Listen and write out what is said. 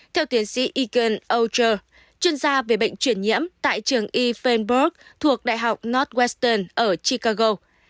theo tiến sĩ egan ocher chuyên gia về bệnh chuyển nhiễm tại trường e feinberg thuộc đại học northwestern ở chicago